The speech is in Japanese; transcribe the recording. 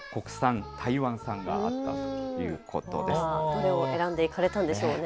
どれを選んでいかれたんでしょうね。